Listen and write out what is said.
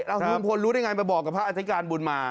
เอาลุงพลรู้ได้ไงมาบอกกับพระอธิการบุญมา